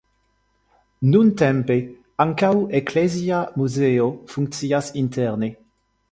Nuntempe ankaŭ eklezia muzeo funkcias interne.